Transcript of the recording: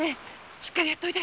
しっかりやっておいで！